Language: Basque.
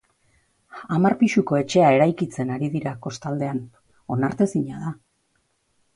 Hamar pixuko etxea eraikitzen ari dira kostaldean, onartezina da.